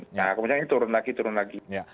nah kemudian ini turun lagi turun lagi